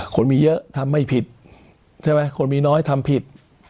คนมีเยอะทำไม่ผิดใช่ไหมคนมีน้อยทำผิด